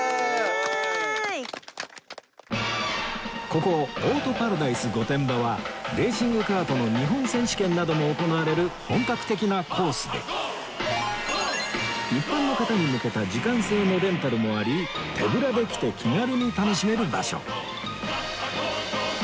ここオートパラダイス御殿場はレーシングカートの日本選手権なども行われる本格的なコースで一般の方に向けた時間制のレンタルもあり手ぶらで来て気軽に楽しめる場所